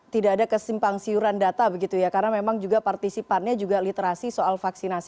tidak ada kesimpang siuran data begitu ya karena memang juga partisipannya juga literasi soal vaksinasi